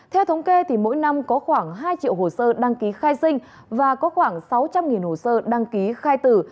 theo thống kê mỗi năm có khoảng hai triệu hồ sơ đăng ký khai sinh và có khoảng sáu trăm linh hồ sơ đăng ký khai tử